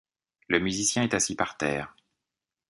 Le musicien est assis par terre.